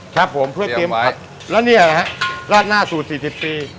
ครับผมเพื่อเตรียมครับแล้วเนี่ยนะฮะราดหน้าสูตรสี่สิบปี